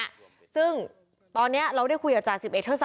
ไหนหน้าก็ไม่กินป้าดเลย